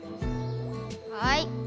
はい。